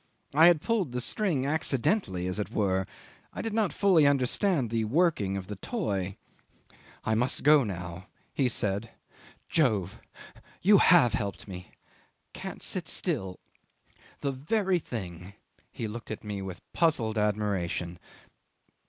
I had pulled the string accidentally, as it were; I did not fully understand the working of the toy. "I must go now," he said. "Jove! You have helped me. Can't sit still. The very thing ..." He looked at me with puzzled admiration.